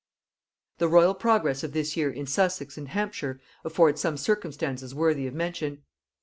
The royal progress of this year in Sussex and Hampshire affords some circumstances worthy of mention.